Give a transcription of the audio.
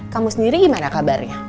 kamu sendiri gimana kabarnya